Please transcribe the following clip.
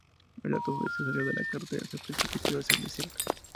El automóvil se salió de la carretera y se precipitó hacia el desierto.